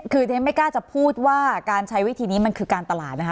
คือที่ฉันไม่กล้าจะพูดว่าการใช้วิธีนี้มันคือการตลาดนะคะ